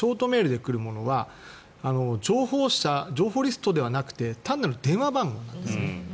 ただ、今回のショートメールで来るものは情報リストではなくて単なる電話番号なんですね。